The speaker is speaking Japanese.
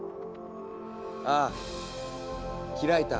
ああ開いた。